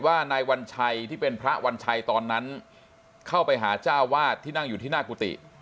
นายวัญชัยที่เป็นพระวัญชัยตอนนั้นเข้าไปหาเจ้าวาดที่นั่งอยู่ที่หน้ากุฏิ